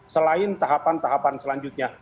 selain tahapan tahapan selanjutnya